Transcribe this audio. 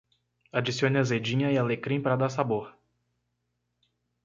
Adicione azedinha e alecrim para dar sabor